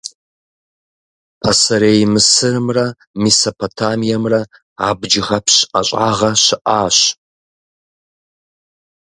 Пасэрей Мысырымрэ Месопотамиемрэ абджгъэпщ ӀэщӀагъэ щыӀащ.